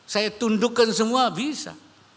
saya tundukkan semua bisa